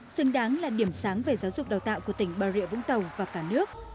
xứng đáng là điểm sáng về giáo dục đào tạo của tỉnh bà rịa vũng tàu và cả nước